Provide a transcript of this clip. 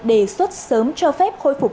đề xuất sớm cho phép khôi phục